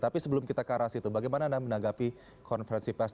tapi sebelum kita ke arah situ bagaimana anda menanggapi konferensi pers